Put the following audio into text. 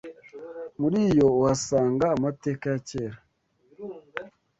Muri yo uhasanga amateka ya kera cyane